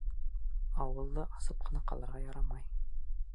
Ауыҙҙы асып ҡына ҡалырға ярамай!